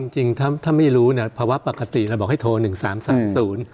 จริงถ้าไม่รู้ภาวะปกติเราบอกให้โทร๑๓๓๐